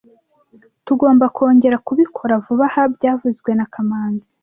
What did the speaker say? Tugomba kongera kubikora vuba aha byavuzwe na kamanzi